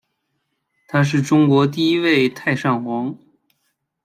他是中国第一位太上皇。